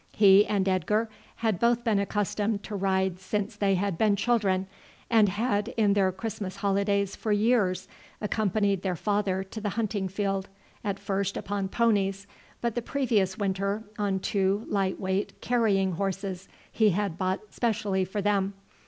He and Edgar had both been accustomed to ride since they had been children, and had in their Christmas holidays for years accompanied their father to the hunting field, at first upon ponies, but the previous winter on two light weight carrying horses he had bought specially for them.